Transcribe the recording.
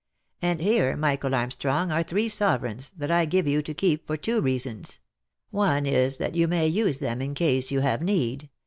And here, Michael Armstrong, are three sovereigns, that I give you to keep for two reasons. One is, that you may use them in case you have need.